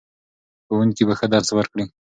ښوونکي به ښه درس ورکړي.